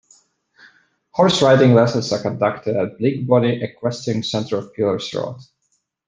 Horse riding lessons are conducted at BlinkBonnie Equestrian Centre on Pillars Road.